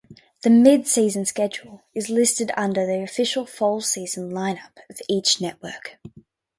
The mid-season schedule is listed under the official fall season lineup of each network.